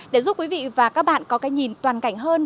để giúp quý vị và các bạn có cái nhìn toàn cảnh hơn